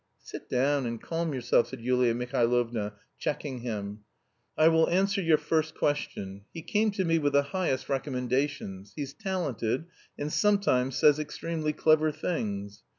"Sit down and calm yourself," said Yulia Mihailovna, checking him. "I will answer your first question. He came to me with the highest recommendations. He's talented, and sometimes says extremely clever things.